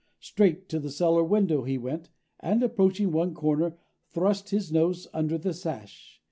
Straight to the cellar window he went, and, approaching one corner, thrust his nose under the sash.